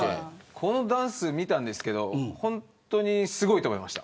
このダンス見たんですけど本当にすごいと思いました。